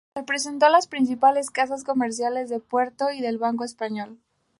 Representó a las principales casas comerciales del puerto y del Banco Español.